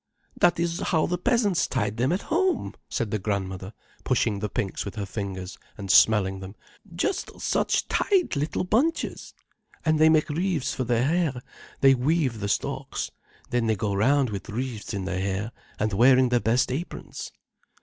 "That is how the peasants tied them at home," said the grandmother, pushing the pinks with her fingers, and smelling them. "Just such tight little bunches! And they make wreaths for their hair—they weave the stalks. Then they go round with wreaths in their hair, and wearing their best aprons."